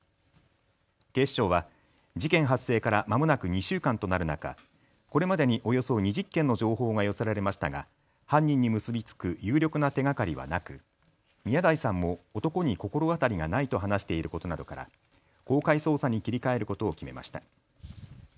警視庁は事件発生からまもなく２週間となる中、これまでにおよそ２０件の情報が寄せられましたが犯人に結び付く有力な手がかりはなく宮台さんも男に心当たりがないと話していることなどから公開捜査に切り替えることを決めました。